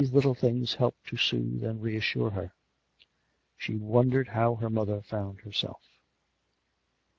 147 little things helped to soothe and reassure her. She won dered how her mother found herself.